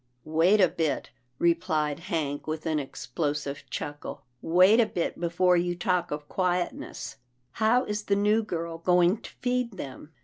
" Wait a bit," replied Hank with an explosive PERLETTA'S PETS 221 chuckle, " wait a bit before you talk of quietness —•■ How is the new girl going to feed them?